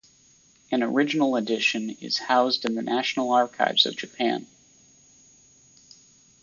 An original edition is housed in the National Archives of Japan.